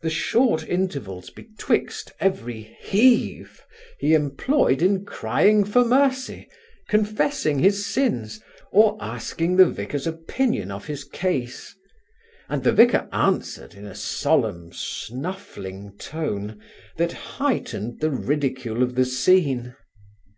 The short intervals betwixt every heave he employed in crying for mercy, confessing his sins, or asking the vicar's opinion of his case; and the vicar answered, in a solemn snuffling tone, that heightened the ridicule of the scene.